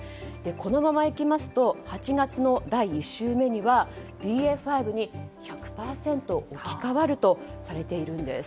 このままいきますと８月の第１週目にはＢＡ．５に１００％置き換わるとされているんです。